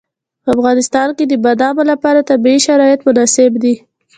په افغانستان کې د بادامو لپاره طبیعي شرایط مناسب دي.